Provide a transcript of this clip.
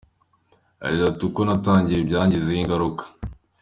Yagize ati “Uko natangiye byangizeho ingaruka.